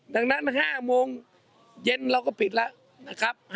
ดังนั้น๕โมงเย็นเราก็ปิดแล้วนะครับ